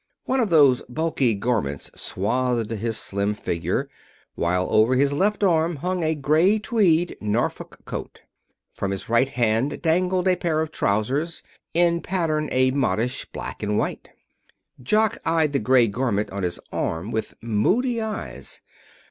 One of those bulky garments swathed his slim figure, while over his left arm hung a gray tweed Norfolk coat. From his right hand dangled a pair of trousers, in pattern a modish black and white. Jock regarded the gray garment on his arm with moody eyes.